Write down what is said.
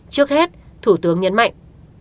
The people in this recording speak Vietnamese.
trước hết thủ tướng nhấn mạnh